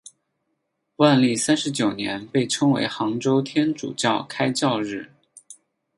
万历三十九年被称为杭州天主教开教日。